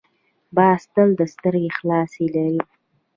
باز تل سترګې خلاصې لري